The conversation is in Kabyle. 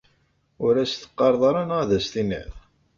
Ur as-teqqareḍ ara neɣ ad as-tiniḍ?